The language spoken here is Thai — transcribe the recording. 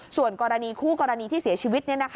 ส่วนกรณีคู่กรณีที่เสียชีวิต